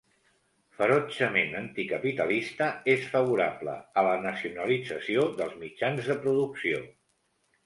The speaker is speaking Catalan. Ferotgement anticapitalista, és favorable a la nacionalització dels mitjans de producció.